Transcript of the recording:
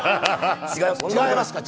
違います！